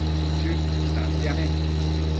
Chëd tantiame